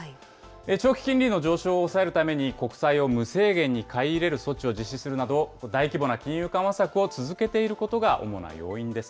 長期金利の上昇を抑えるために、国債を無制限に買い入れる措置を実施するなど、大規模な金融緩和策を続けていることが主な要因です。